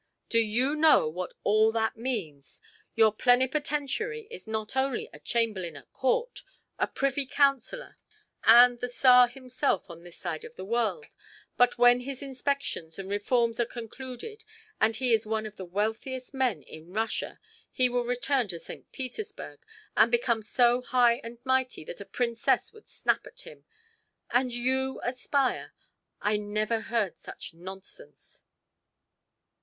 Do you know what all that means? Your plenipotentiary is not only a Chamberlain at court, a Privy Councillor, and the Tsar himself on this side of the world, but when his inspections and reforms are concluded, and he is one of the wealthiest men in Russia, he will return to St. Petersburg and become so high and mighty that a princess would snap at him. And you aspire! I never heard such nonsense."